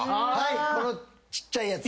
ちっちゃいやつ？